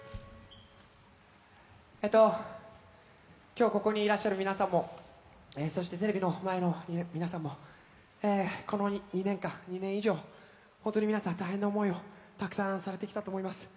今日ここにいらっしゃる皆さんもテレビの前の皆さんもこの２年以上、本当に皆さん大変な思いをたくさんされてきたと思います。